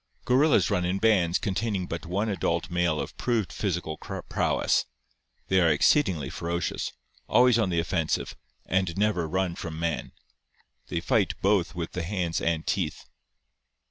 Gorillas run in bands containing but one adult male of proved physical prowess. They are exceedingly ferocious, always on the offensive, and never run from man. They fight both with the hands and teeth.